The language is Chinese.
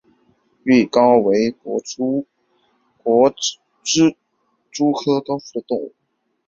豫高亮腹蛛为园蛛科高亮腹蛛属的动物。